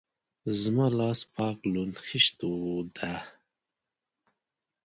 زما لاس پاک لوند خيشت ده.